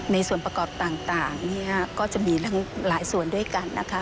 ส่วนประกอบต่างก็จะมีทั้งหลายส่วนด้วยกันนะคะ